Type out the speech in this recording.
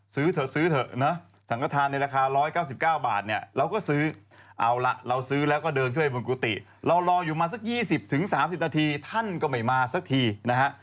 สัก๒๐ถึง๓๐นาทีท่านก็ไม่มาสักทีนะฮะ